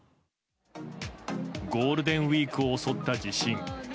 ゴールデンウィークを襲った地震。